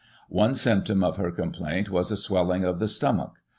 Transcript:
One symptom of her complaint was a swelling of the stomach.